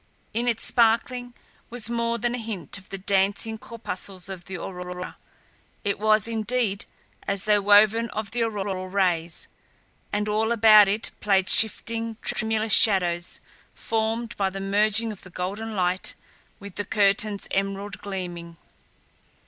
In its sparkling was more than a hint of the dancing corpuscles of the aurora; it was, indeed, as though woven of the auroral rays. And all about it played shifting, tremulous shadows formed by the merging of the golden light with the curtain's emerald gleaming.